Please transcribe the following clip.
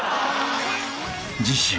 ［次週］